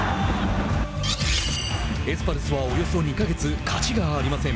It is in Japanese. エスパルスはおよそ２か月勝ちがありません。